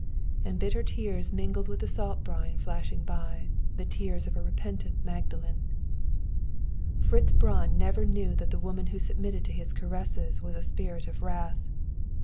And bitter tears mingled with the salt brine flashing by the tears of a repentent magdalen. Fritz Braun never knew that the woman who submitted to his caresses was a spirit of wrath.